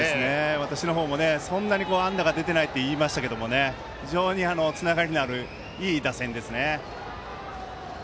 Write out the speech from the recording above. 私の方も、そんなに安打が出ていないと言いましたけど非常につながりのあるいい打線ですね。